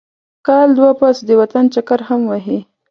کال دوه پس د وطن چکر هم وهي.